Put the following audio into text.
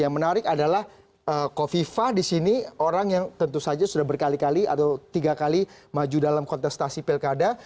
yang menarik adalah kofifa disini orang yang tentu saja sudah berkali kali atau tiga kali maju dalam kontestasi pelkada